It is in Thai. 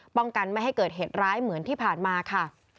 ป้องกันไม่ให้เกิดเหตุร้ายเหมือนที่ผ่านมาค่ะ